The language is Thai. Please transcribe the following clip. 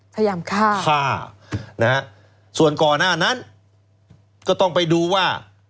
พยายามฆ่าฆ่านะฮะส่วนก่อนหน้านั้นก็ต้องไปดูว่า